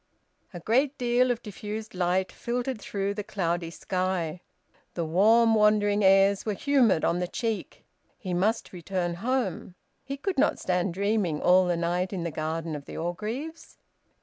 A great deal of diffused light filtered through the cloudy sky. The warm wandering airs were humid on the cheek. He must return home. He could not stand dreaming all the night in the garden of the Orgreaves.